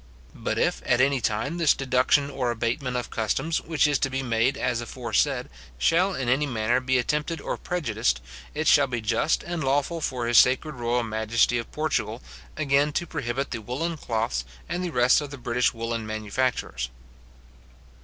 But if, at any time, this deduction or abatement of customs, which is to be made as aforesaid, shall in any manner be attempted and prejudiced, it shall be just and lawful for his sacred royal majesty of Portugal, again to prohibit the woollen cloths, and the rest of the British woollen manufactures.